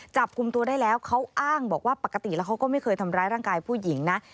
จับกลุ่มตัวได้แล้วเขาอ้างบอกว่าปกติแล้วเขาก็ไม่เคยทำร้ายร่างกายผู้หญิงนะ